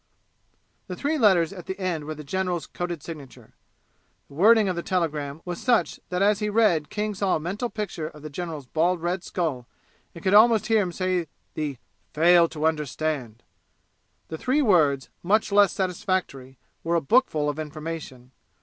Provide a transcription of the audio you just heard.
The three letters at the end were the general's coded signature. The wording of the telegram was such that as he read King saw a mental picture of the general's bald red skull and could almost hear him say the "fail to understand." The three words "much less satisfactory" were a bookful of information.